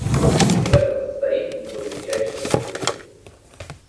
И в этом состоит его величайшее наследие.